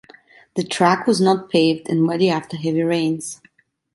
The track was not paved, and muddy after heavy rains.